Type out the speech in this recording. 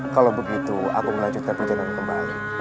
kalau begitu aku melanjutkan perjalanan kembali